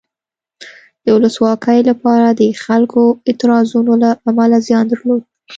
د ولسواکۍ لپاره د خلکو اعتراضونو له امله زیان درلود.